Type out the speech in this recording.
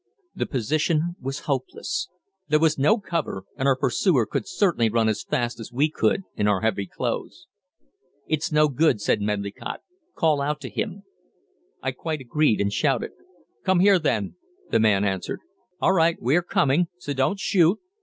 The position was hopeless; there was no cover, and our pursuer could certainly run as fast as we could in our heavy clothes. "It's no good," said Medlicott; "call out to him." I quite agreed and shouted. "Come here, then," the man answered. "All right, we are coming, so don't shoot."